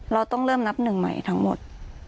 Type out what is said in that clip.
เราต้องเริ่มนับหนึ่งใหม่ทั้งหมด